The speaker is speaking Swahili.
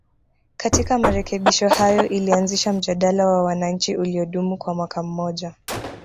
Katika marekebisho hayo ilianzisha mjadala wa wananchi uliodumu kwa mwaka mmoja